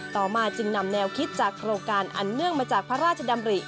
ต่อมาจึงนำแนวคิดจากโครงการอันเนื่องมาจากพระราชดำริ